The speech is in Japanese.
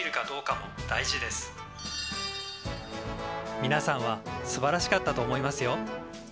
みなさんはすばらしかったと思いますよ」。